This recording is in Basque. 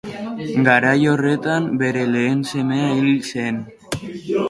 Garai horretan bere lehen semea hil zen.